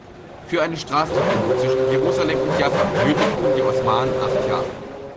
Für eine Straßenverbindung zwischen Jerusalem und Jaffa benötigten die Osmanen acht Jahre.